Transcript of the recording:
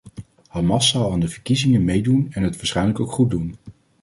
Hamas zal aan de verkiezingen meedoen en het waarschijnlijk ook goed doen.